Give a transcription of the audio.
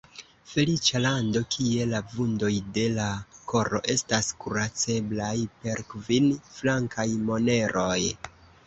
Feliĉa lando, kie la vundoj de la koro estas kuraceblaj per kvin-frankaj moneroj!